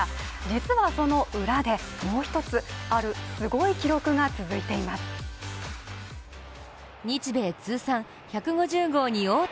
実はその裏でもう一つあるすごい記録が続いていまう。